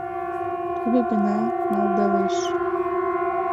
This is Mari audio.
«Тудо» гына малдалеш.